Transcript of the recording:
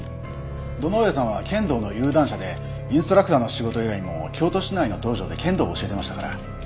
堂上さんは剣道の有段者でインストラクターの仕事以外にも京都市内の道場で剣道を教えていましたから。